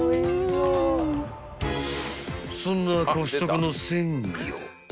［そんなコストコの鮮魚